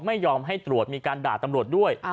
ไม่ยอมให้ตรวจมีการด่าตำรวจด้วย